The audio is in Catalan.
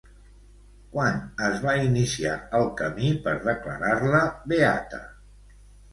Quan es va iniciar el camí per declarar-la beata?